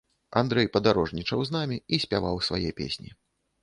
Андрэй падарожнічаў з намі і спяваў свае песні.